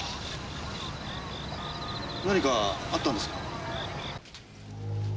何かあったんですか？